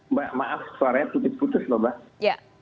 mbak maaf suaranya putus putus loh mbak